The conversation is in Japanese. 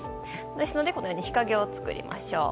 ですので、このように日陰を作りましょう。